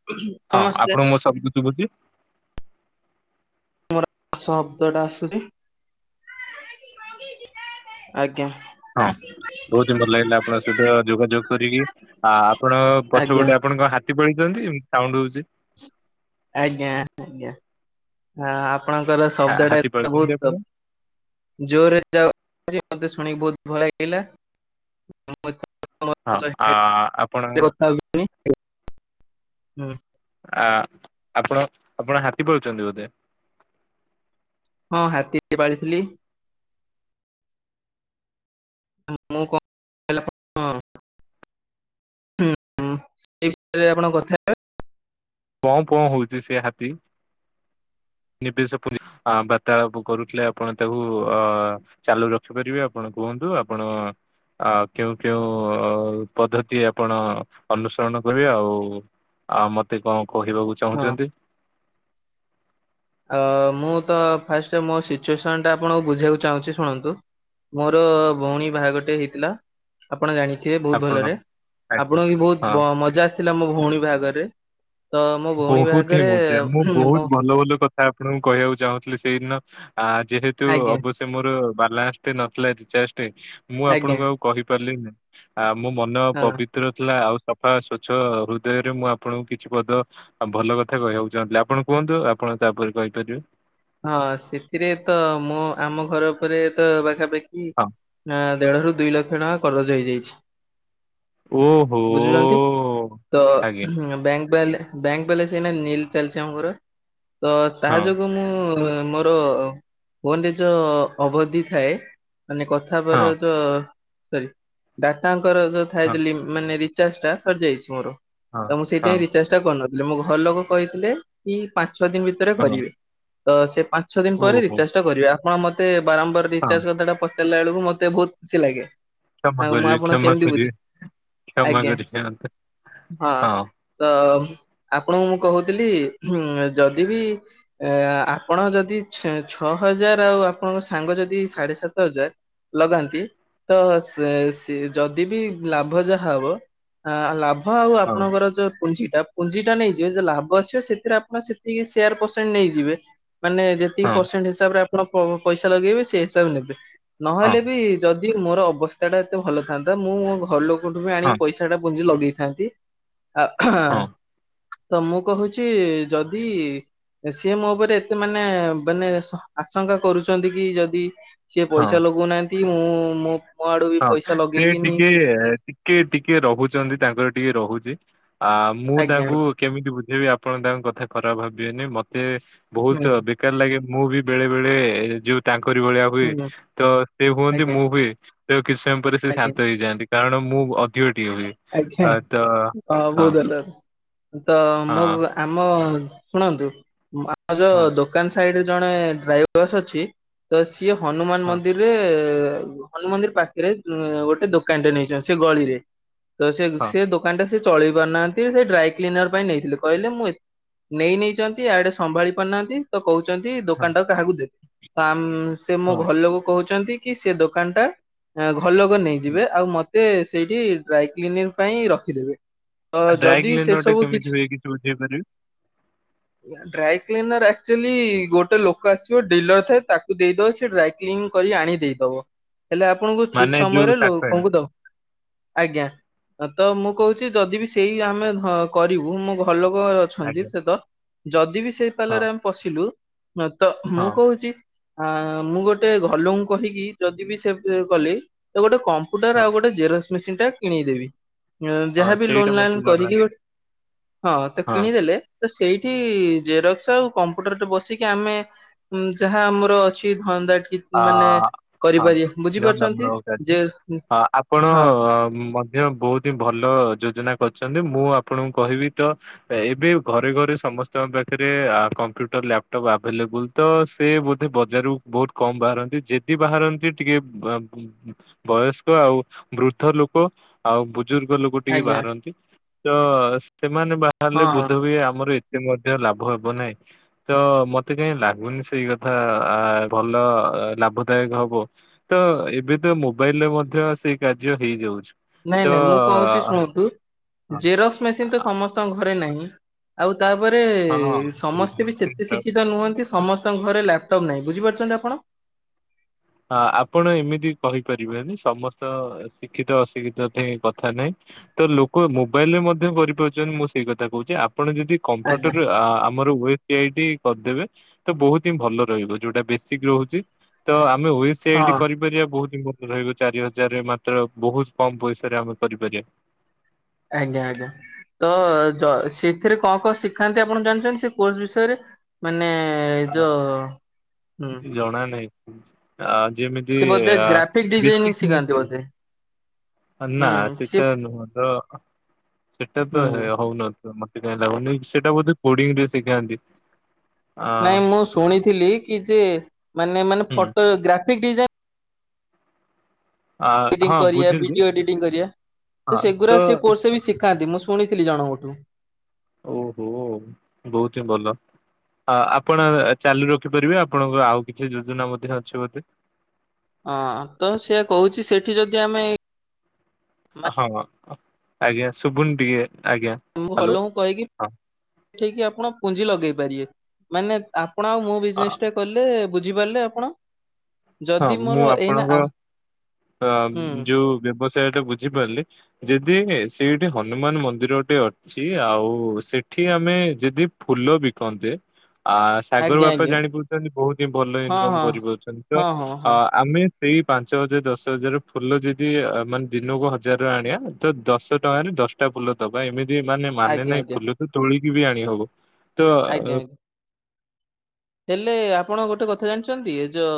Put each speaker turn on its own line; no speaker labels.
Hello
ହଁ
ନମସ୍କାର
ଆପଣଙ୍କୁ ମୋ ଶବ୍ଦ ଶୁଭୁଚି?
ମୋର ଶବ୍ଦଟା ଆସୁଛି [inaudible] ଆଜ୍ଞା।
ହଁ ବହୁତିନ ଭଲ ଲାଗିଲା ଆପଣଙ୍କ ସହିତ ଯୋଗାଯୋଗ କରିକି। ଆ ଆପଣ ପଛ
ଆଜ୍ଞା
ଗୋଟେ ଆପଣଙ୍କ ହାତୀ ପଳେଇଛନ୍ତି ତି ସାଉଣ୍ଡ ହଉଛି।
ଆଜ୍ଞା ଆଜ୍ଞା ଆ ଆପଣଙ୍କର
ହା-
ଶବ୍ଦ ଟା
ହାତୀ
ଏ
ପାଳୁଛନ୍ତି ଆପଣ
ବହୁତ
ହଁ
ଜୋରରେ ଯାଉ ମତେ ଶୁଣିକି ବହୁତ ଭଲ ଲାଗିଲା। [unintelligible]
ଆ ଆପଣ
[unintelligible] ହୁଁ।
ଆ ଆପଣ ଆପଣ ହାତୀ ପାଳୁଛନ୍ତି ବୋଧେ।
ହଁ ହାତୀ ପାଳିଥିଲି। ମୁଁ [unintelligible] ହୁଁ ଉଁ ସେଇ ବିଷୟରେ ଆପଣ କଥା ହେବେ।
ପଁ ପଁ ହଉଛି ସେ ହାତୀ। ନିବେଶ ପ ବାର୍ତାଳାପ କରୁଥିଲେ ଆପଣ ତାକୁ ଅ ଚାଲୁ ରଖିପାରିବେ ଆପଣ କୁହନ୍ତୁ ଆପଣ ଆ କେଉଁ କେଉଁ ପଦ୍ଧତି ଆପଣ ଅନୁସରଣ କରିବେ ଆଉ ଆଉ ମତେ କଣ କହିବାକୁ
ହଁ
ଚାହୁଁଛନ୍ତି।
ଅ ମୁଁ ତ ଫାଷ୍ଟ ମୋ ସିଚୁଏସନ ଟା ଆପଣଙ୍କୁ ବୁଝିବାକୁ ଚାହୁଁଛି ଶୁଣନ୍ତୁ। ମୋର ଭଉଣୀ ବାହାଘରଟେ ହେଇଥିଲା। ଆପଣ ଜାଣିଥିବେ ବହୁତ
ଆପଣ
ଭଲରେ।
ଆଜ୍ଞା।
ଆପଣଙ୍କୁ ବି
ହଁ
ବହୁତ ମଜା ଆସିଥିଲା ମୋ ଭଉଣୀ ବାହାଘରରେ। ତ ମୋ ଭଉଣୀ
ବହୁତ ହିଁ
ବାହାଘରେ
ମଜା ମୁଁ
ମୋ
ବହୁତ ଭଲ ଭଲ କଥା ଆପଣଙ୍କୁ କହିବାକୁ ଚାହୁଁଥିଲି। ସେଇଦିନ ଆ ଯେହେତୁ
ଆଜ୍ଞା
ଅବଶ୍ୟ ସେ ମୋର ବାଲାନ୍ସ ଟେ ନଥିଲା ରିଚାର୍ଜେ ଟେ ମୁଁ
ଆଜ୍ଞା
ଆପଣଙ୍କୁ ଆଉ କହିପାରିଲିନି। ଆ ମୋ ମନ
ହଁ
ପବିତ୍ର ଥିଲା, ଆଉ ସଫା ସ୍ଵଚ୍ଛ ହୃଦୟରେ ମୁଁ ଆପଣଙ୍କୁ କିଛି ପଦ ଆଉ ଭଲ କଥା କହିବାକୁ ଚାହୁଁଥିଲେ। ଆପଣ କୁହନ୍ତୁ ଆପଣ ତାପରେ କହିପାରିବେ।
ହଁ ସେଥିରେ ତ ମୁଁ ଆମ ଘର ଉପରେ ତ ପାଖାପାଖି
ହଁ।
ଦେଢ ରୁ ଦୁଇ ଲକ୍ଷ ଟଙ୍କା କରଜ ହେଇଯାଇଛି।
ଓହୋ
ବୁଝୁଛନ୍ତି ତ
ଆଜ୍ଞା
ବ୍ୟାଙ୍କ ବାଲ୍ ବ୍ୟାଙ୍କ ବାଲାନସ ଏଇନା ନିଲ୍ ଚାଲିଛି ଆଉ ମୋର୍ ତ ତାହା
ହଁ
ଯୋଗୁଁ ମୁଁ କୁ ମୋର ଫୋନ ରେ ଯୋଉ ଅବଧି ଥାଏ ମାନେ କ ପର
ହଁ
ଯ ସରି ଡାଟାଙ୍କର ଯୋଉ
ହଁ
ଥାଏ ମାନେ ରିଚାର୍ଜ ଟା ସରି ଯାଇଛି ମୋର।
ହଁ
ତ ମୁଁ
ହଁ
ସେଇଥିପାଇଁ ରିଚାର୍ଜ ଟା କରୁନଥିଲି। ମୋ ଘର ଲୋକ କହିଥିଲେ କି ପାଞ୍ଚ ଛ ଦିନ ଭିତ କେବେ
ହଁ
କରିବେ। ତ ସେ ପାଞ୍ଚ ଛ ଦିନ ପରେ
ଓହୋ
ରିଚାର୍ଜ ଟା କରିବେ। ଆପଣ ମତେ ବାରମ୍ବାର
ହଁ
ରିଚାର୍ଜ କଥା ଟା ପଚ ହେଲା ବେଳକୁ ମତେ ବହୁତ ଖୁସି ଲାଗେ।
କ୍ଷମା
ଆଉ ମୁଁ
କରିବେ
ଆପଣ
କ୍ଷମା
କେମିତି ବୁଝ
କରିବେ କ୍ଷମା
ଆଜ୍ଞା
କରିବେ ମତେ
ହଁ। ତ ଆପଣଙ୍କୁ ମୁଁ କହୁଥିଲି ଯଦି ବି ଏ ଆପଣ ଯଦି ଛ ଛଅ ହଜାର ଆଉ ଆପଣଙ୍କ ସାଙ୍ଗ ଯଦି ସାଢେ ସାତ ହଜାର ଲଗାନ୍ତି ତ ସ ସେ ଯଦି ବି ଲାଭ ଯାହା ହବ। ହଁ ଲାଭ ହଁ ଆଉ ଆପଣଙ୍କର ଯୋଉ ପୁଞ୍ଜିଟା ପୁଞ୍ଜିଟା ନେଇଯିବେ। ଯଉ ଲାଭ ଆସିବ ସେଥିରେ ଆପଣ ସେତିକି ସେୟାର ପସ ସେଣ୍ଟ ନେଇଯିବେ। ମାନେ ଯେତିକି
ହଁ
ପରସେଣ୍ଟ ହିସାବରେ ଆପଣ ପଇସା ଲଗେଇବେ ସେଇ ହିସାବରେ ନେବେ।
ହଁ
ନହେଲେ ବି ଯଦି ମୋର ଅବସ୍ଥା ଟା ଏତେ ଭଲ ଥାନ୍ତା। ମୁଁ ମୋ ଘର ଲୋକ ଙ୍କୁ ଠୁ
ହଁ
ଆଣିକି ବି ପଇସା ଟା ପୁଞ୍ଜି ଲଗେଇଥାନ୍ତି ଆ
ହଁ
ତ ମୁଁ କହୁଛି ଯଦି ସିଏ ମୋ ଉପରେ ଏତେ ମାନେ ମାନେ ଶ ଆଶଙ୍କା କରୁଛନ୍ତି କି ଯଦି ସିଏ
ହଁ
ପଇସା ଲଗଉନାହାଁନ୍ତି ମୁଁ ମୋ ମୋ ଆଡୁ ବି
ହଁ
ପଇସା
ସେ
ଲଗେଇବିନି
ଟିକେ ଟି ଟିକେ ଟିକେ ରହୁଛନ୍ତି ତାଙ୍କର ଟିକେ ରହୁଛି। ଆ ମୁଁ
ଆଜ୍ଞା
ତାଙ୍କୁ
ଆଜ୍ଞା
କେମିତି ବୁଝେଇବି ଆପଣ ତାଙ୍କ କଥା ଖରାପ ଭାବିବେନି ମତେ
ହୁଁ
ବହୁତ ଦରକାର ଲାଗେ ମୁଁ ବି ବେଳେ ବେଳେ ଯଉ ତାଙ୍କରି ଭଳିଆ ହୁଏ
ହୁଁ
ତ ସେ ହୁଅନ୍ତି
ଆଜ୍ଞା
ମୁଁ ବି ତ କିଛି ସମୟ ପରେ ସେ
ଆଜ୍ଞା
ଶାନ୍ତ ହେଇଯାଆନ୍ତି କାରଣ ମୁଁ ଅ ଟିକେ ହୁଏ
ଆଜ୍ଞା
ତ ହଁ।
ବହୁତ ଭଲ ତ ମୁଁ
ହଁ
ଆମ ଶୁଣନ୍ତୁ ଆ ଆମର ଯଉ
ହଁ
ଦୋକାନ ସାଇଡରେ ଜଣେ ଡ୍ରାଇଭରସ ଅଛି ତ ସିଏ ହନୁମାନ
ହଁ
ମନ୍ଦିର ସେ ହନୁମନ୍ଦିର ପାଖରେ ଗୋଟେ ଦୋକାନ ଟ ନେଇଛନ୍ତି ସେ ଗଳିରେ ତ ସେ
ହଁ
ସେ ଦୋକାନଟା ସେ ଚଳେଇ ପାରୁନାହାନ୍ତି ସେ ଡ୍ରାଇ କ୍ଲିନର ପାଇଁ ନେଇଥିଲେ କହିଲେ ମୁଁ ନେଇ ନେଇଛନ୍ତି ଆଡେ ସମ୍ଭାଳି ପାରୁନାହାନ୍ତି। ତ କହୁଛନ୍ତି
ହଁ
ଦୋକାନ ଟାକୁ କାହାକୁ ଦେବେ ସେ ମୋ
ହଁ।
ଘର ଲୋକ କହୁଛନ୍ତି କି ସେ ଦୋକାନ ଟା ଘର ଲୋକ ନେଇଯିବେ। ଆଉ ମତେ ସେଇଠି ଡ୍ରାଇକଲିନିଙ୍ଗ ପାଇଁ ରଖିଦେବେ। ତ
ଆ
ଯଦି ସେ
ଡ୍ରାଇକଲିନିଙ୍ଗ ଗୋଟେ
ସବୁ
କେମିତି ହୁଏ କିଛି ବୁଝେଇ ପାରିବେ?
ଡ୍ରାଇକ୍ଲିନର ଆକ୍ଚୁଆଲି ଗୋଟେ ଲୋକ ଆସିବ ଡିଲର ଥାଏ ତାକୁ ଦେଇଦବ ସେ ଡାଇ କ୍ଲିନ୍ କରି ଆଣି ଦେଇଦବ ହେଲେ ଆପଣଙ୍କୁ
ମାନେ
ଠିକ
ଯୋଉ
ସମୟରେ
ସାର୍ଟ ପ୍ୟାଣ୍ଟ
ଲୋକଙ୍କୁ ଦ ଆଜ୍ଞା, ତ ମୁଁ କହୁଛି ଯଦି ବି ସେଇ ଆମେ କରିବୁ ମୋ ଘରଲୋକ ଛନ୍ତି
ଆଜ୍ଞା
ସେ ତ୍, ଯଦି ବି ସେ
ହଁ।
ପାଲାରେ ଆମେ ପଶିଲୁ, ତ
ହଁ
ମୁଁ କହୁଛି ଆଁ ମୁଁ ଗୋଟେ ଘର ଲୋକ ଙ୍କୁ କହିକି ଯଦି ବି ସେ ଗଲି ତ ଗୋଟେ କମ୍ପ୍ୟୁଟର
ହଁ
ଆଉ ଗୋଟେ ଜେରକ୍ସ ମେସିନ୍ ଟେ କିଣେଇଦେବି।
ହଁ
ଯାହାବି
ସେଇଟା
ଲୋନ
ମତେ
ଲାନ
ଜଣା
କରିକି
ଅଛି
ଗୋ, ହଁ ତ କିଣିଦେଲେ ତ ସେଇଠି ଜେରକ୍ସ ଆଉ କମ୍ପ୍ୟୁଟର ଟେ ବସିକି ଆମେ ଆଁ ଯାହା ଆମର ଅଛି ହନ୍ତା କି
ଆ
ମାନେ
ହଁ
କରିପାରିବେ, ବୁଝିପାରୁଛନ୍ତି
ଜନତାମୂଳକ କାର୍ଯ୍ୟ।
ଯେ
ଅ ଆପଣ
ହଁ
ମଧ୍ୟ ବହୁତ ହିଁ ଭଲ ଯୋଜନା କରିଛନ୍ତି, ମୁଁ ଆପଣଙ୍କୁ କହିବି ତ ଏବେ ଘରେ ଘରେ ସମସ୍ତଙ୍କ ପାଖରେ କମ୍ପ୍ୟୁଟର ଲାପଟପ୍ ଆଭେଲେବୁଲ। ତ ସେ ବୋଧେ ବଜାରକୁ ବହୁତ କମ ବାହାରନ୍ତି, ଯଦି ବାହାରନ୍ତି ଟିକେ ବୟସ୍କ ଆଉ ବୃଦ୍ଧ ଲୋକ ଆଉ ବୁ ବୁଜୁର୍ଗ ଲୋକ ଟିକେ
ଆଜ୍ଞା
ବାହାରନ୍ତି, ତ ସେମାନେ ବାହାରିଲେ
ହଁ ହଁ।
ବୋଧ ହୁଏ ଆମର ମଧ୍ୟ ଲାଭ ହବ ନାହିଁ, ତ ମତେ କାହିଁ ଲାଗୁନି ସେଇ କଥା ଆ ଭଲ ଲାଭଦାୟକ ହବ। ତ ଏବେ ତ ମୋବାଇଲ ରେ ମଧ୍ୟ ସେଇ କାର୍ଯ୍ୟ ହେଇଯାଉଛି।
ନାଇଁ
ତ
ନାଇଁ ମୁଁ କହୁଛି ଶୁଣନ୍ତୁ,
ହଁ
ଜେରକ୍ସ ମେସିନ ତ ସମସ୍ତଙ୍କ ଘରେ ନାହିଁ। ଆଉ ତାପରେ
ହଁ ସେଇଟା
ସମସ୍ତେ ବି ସେତେ
ସେଇଟା
ଶିକ୍ଷିତ ନୁହନ୍ତି ସମସ୍ତଙ୍କ ଘରେ ଲ୍ୟାପଟପ୍ ନାହିଁ, ବୁଝିପାରୁଛନ୍ତି ଆପଣ?
ଆପଣ ଏମିତି କହିପାରିବେନି, ସମସ୍ତ ଶିକ୍ଷିତ ଅଶିକ୍ଷିତ ଠେଇଁ କଥା ନାହିଁ। ତ ଲୋକ ମୋବାଇଲରେ ମଧ୍ୟ କରିପାରୁଛନ୍ତି, ମୁଁ ସେଇ କଥା କହୁଛି, ଆପଣ ଯଦି
ଆଜ୍ଞା
କମ୍ପ୍ୟୁଟର ରେ ଆ-ଆମର ସାଇଟ କରିଦେବେ ତ ବହୁତ ହିଁ ଭଲ ରହିବ ଯୋଉଟା ବେସିକ ରହୁଛି, ତ ଆମେ ସେ ଏଇଠି
ହଁ
କରିପାରିବା ବହୁତହି ଭଲ ରହିବ ଚାରି ହଜାରରେ ମାତ୍ର ବହୁତ କମ ପଇସାରେ ଆମେ କରିପାରିବା।
ଆଜ୍ଞା ଆଜ୍ଞା। ତ ସେଥିରେ କଣ କଣ ଶିଖାନ୍ତି ଆପଣ ଜାଣିଛନ୍ତି ସେ କୋର୍ସ ବିଷୟରେ? ମାନେ
ଆ,
ଜ ହୁଁ
କିଛି ଜଣା ନାହିଁ, ଯେମିତି
ସେ ବୋଧେ
ଆ
ଗ୍ରାଫିକ ଡିଜାଇନିଂ
ବେଶିକ
ଶିଖାନ୍ତି
ହିଁ
ବୋଧେ
ନା
ହୁଁ ସେ
ସେଟା ନୁହଁ ତ, ସେଟା ତ
ହୁଁ ହୁଁ।
ହଉ ମତେ କାଇଁ ଲାଗୁନି ସେଇଟା ବୋଧେ କୋଡ଼ିଙ୍ଗ ରେ ଶିଖାନ୍ତି। ଆ
ନାଇଁ ମୁଁ ଶୁଣିଥିଲି କି ଯେ ମାନେ ମାନେ
ହୁଁ
ଫଟୋ ଗ୍ରାଫିକ ଡିଜାଇନ
ଆ
ଏଡିଟିଂ
ହଁ
କରିବା,
ବୁଝିଲି
ଭିଡିଓ ଏଡିଟିଂ କରିବା,
ହଁ
ସେଗୁରା
ତ
ସେ କୋର୍ସ ବି ଶିଖାନ୍ତି, ମୁଁ ଶୁ ଶୁଣିଥିଲି ଜଣଙ୍କଠୁ।
ଓହୋ ବହୁତ ହିଁ ଭଲ। ଆ-ଆପଣ ଚାଲୁ ରଖିପାରିବେ ଆପଣଙ୍କ ଆଉ କିଛି ଯୋଜନା ମଧ୍ୟ ଅଛି ବୋଧେ।
ହଁ ତ ସେୟା କହୁଛି ସେଠି ଯଦି ଆମେ
ହଁ ଆଜ୍ଞା ଶୁଭୁନ ଟିକେ, ଆଜ୍ଞା।
ଘର
ହ୍ୟାଲୋ
ଲୋକଙ୍କୁ କହିକି
ହଁ
ଉଠେଇକି ଆପଣ ପୁଞ୍ଜି ଲଗେଇ ପାରିବେ, ମାନେ ଆପଣ ଆଉ ମୋ
ଆ,
ବିଜନେସ୍ ଟା କଲେ ବୁଝିପାରିଲେ ଆପଣ, ଯଦି ମୋର ଏଇନା ଆ
ଆ
ହୁଁ
ଯୋଉ ବ୍ୟବସାୟ ଟା ବୁଝିପାରିଲି। ଯଦି ଆଜ୍ଞା ସେଠି ହନୁମାନ ମନ୍ଦିର ଟେ ଅ ଅଛି ଆଉ ସେଠି ଆମେ ଯଦି ଫୁଲ ବିକନ୍ତେ ଆ ସାଗର
ଆଜ୍ଞା
ବାପା
ଆଜ୍ଞା
ଜାଣିପାରୁଛନ୍ତି, ବହୁତ ହିଁ ଭଲ
ହଁ
ଇନକମ
ହଁ
କରିପଉଛନ୍ତି ତ,
ହଁ ହଁ
ଅ
ହଁ
ଆମେ ସେଇ ପାଞ୍ଚ ହଜାର ଦଶ ହଜାର ଫୁଲ ଯଦି ମାନେ ଦିନକୁ ହଜାର ଆଣିବା, ତ ଦଶ ଟଙ୍କାରେ ଦଶଟା ଫୁଲ ଦବା ଏମିତି ମାନେ ମାନେ
ଆଜ୍ଞା
ନାହିଁ
ଆଜ୍ଞା
ଫୁଲ ତ ତୋଳିକି ବି ଆଣି ହବ, ତ
ଆଜ୍ଞା ଆଜ୍ଞା। ହେଲେ ଆପଣ ଗୋଟେ କଥା ଜାଣିଛନ୍ତି, ଏ ଯ